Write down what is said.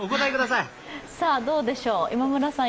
さあどうでしょう、今村さん